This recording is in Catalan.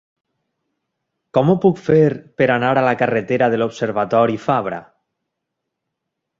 Com ho puc fer per anar a la carretera de l'Observatori Fabra?